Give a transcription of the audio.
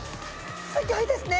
すギョいですね！